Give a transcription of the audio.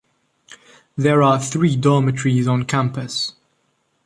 There are three dormitories on campus.